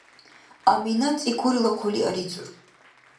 Аминат цӀикурила хъули арицӀур.